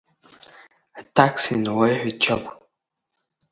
Аҭакс иналеиҳәеит Чагә.